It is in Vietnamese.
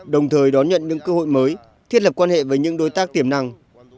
đồng thời đón nhận những cơ hội mới thiết lập quan hệ với những đối tác tiềm năng